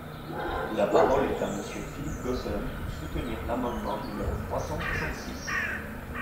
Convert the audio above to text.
La parole est à Monsieur Philippe Gosselin, pour soutenir l’amendement numéro trois cent soixante-six.